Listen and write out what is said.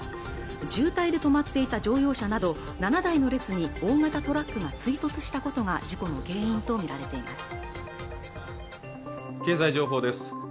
渋滞で止まっていた乗用車など７台の列に大型トラックが追突したことが事故の原因と見られています